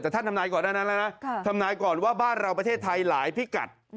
แต่ท่านทำนายก่อนหน้านั้นแล้วนะทำนายก่อนว่าบ้านเราประเทศไทยหลายพิกัด